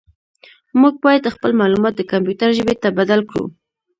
موږ باید خپل معلومات د کمپیوټر ژبې ته بدل کړو.